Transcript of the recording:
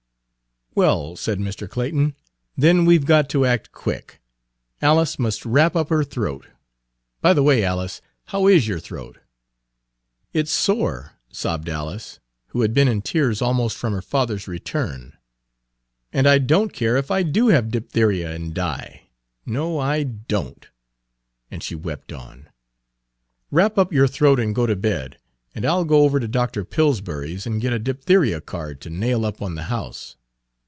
"Well," said Mr. Clayton, "then we've got to act quick. Alice must wrap up her throat by the way, Alice, how is your throat?" Page 124 "It 's sore," sobbed Alice, who had been in tears almost from her father's return, "and I don't care if I do have diphtheria and die, no, I don't!" and she wept on. "Wrap up your throat and go to bed, and I'll go over to Doctor Pillsbury's and get a diphtheria card to nail up on the house.